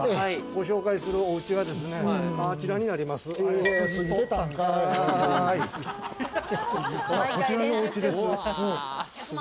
ご紹介するおうちはですね、あちらになります。